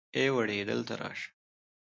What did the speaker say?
ای وړې دلته راشه.